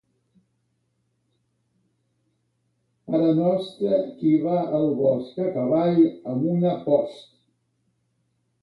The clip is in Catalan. Pare Nostre qui va al bosc a cavall amb una post.